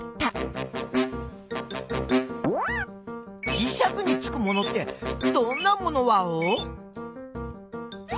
じしゃくにつくものってどんなものワオ？